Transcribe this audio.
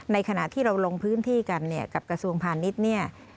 ในขณะที่เราลงพื้นที่กันกับกระทรวงภาณิชย์